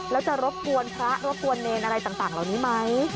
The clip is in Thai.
แล้วจะรบกวนพระรบกวนเนรอะไรต่างเหล่านี้ไหม